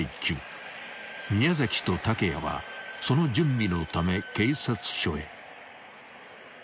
［宮と竹谷はその準備のため警察署へ］